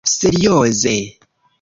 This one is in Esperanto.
Serioze?